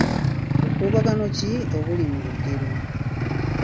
Bukuubagano ki obuli mu lugero?